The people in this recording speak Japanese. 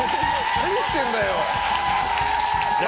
何してんだよ！